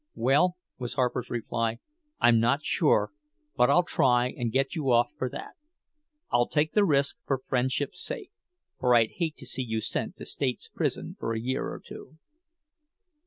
"Well," was Harper's reply, "I'm not sure, but I'll try and get you off for that. I'll take the risk for friendship's sake—for I'd hate to see you sent to state's prison for a year or two."